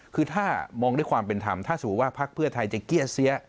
คือถ้ามองด้วยความเป็นธรรมถ้าสมมุติว่าพักเพื่อไทยจะเกี้ยเสีย